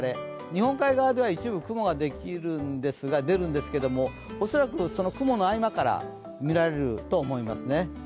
日本海側では一部、雲が出るんですけど恐らくその雲の合間から見られると思いますね。